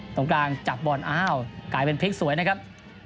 ตรงกลางจับบอลอ้าวกลายเป็นพลิกสวยนะครับ